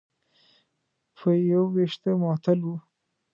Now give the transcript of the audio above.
په یو وېښته معطل و.